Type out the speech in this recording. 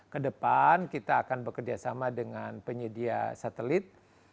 kedepan kita akan bekerjasama dengan penyedia satelit